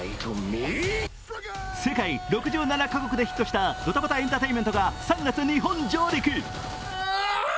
世界６７か国で大ヒットしたドタバタエンターテインメントが３月、日本上陸。